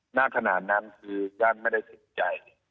หน้าขนาดนั้นคือยากไม่ได้ติดใจ